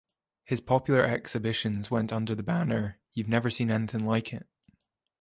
His popular exhibitions went under the banner You've never seen anything like it!